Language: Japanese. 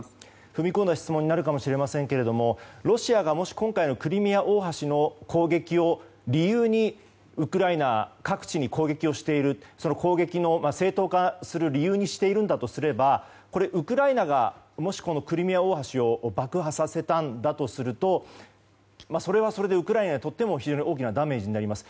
踏み込んだ質問になるかもしれませんがロシアがもし今回のクリミア大橋の攻撃を理由にウクライナ各地に攻撃をしているその攻撃の正当化する理由にしているのだとすればウクライナがクリミア大橋を爆破させたんだとするとそれはそれでウクライナにとっても非常に大きなダメージになります。